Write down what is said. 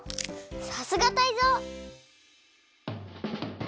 さすがタイゾウ！